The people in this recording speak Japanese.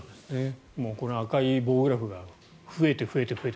この赤い棒グラフが増えて増えて増えて。